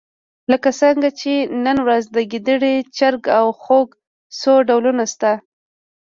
لکه څرنګه چې نن ورځ د ګېدړې، چرګ او خوګ څو ډولونه شته.